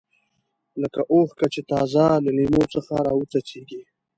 لکه اوښکه چې تازه له لیمو څخه راوڅڅېږي.